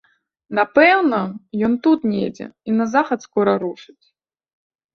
Напэўна, ён тут недзе і на захад скора рушыць.